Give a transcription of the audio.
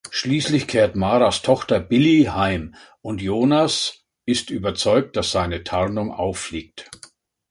Schließlich kehrt Maras Tochter Billie heim, und Jonas ist überzeugt, dass seine Tarnung auffliegt.